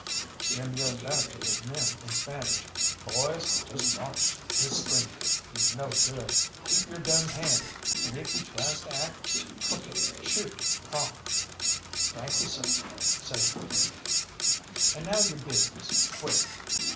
Jim yelled back to his men in Spanish, "Boys, just watch this stranger he's no good. Keep your guns handy, and if he tries to act crooked, shoot prompt!" "Thank you, seh!" says the preacher. "And now, your business, quick!"